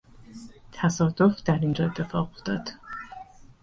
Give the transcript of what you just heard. تصادف در اینجا اتفاق افتاد.